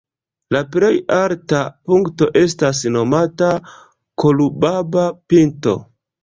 La plej alta punkto estas nomata "Kolubaba"-pinto.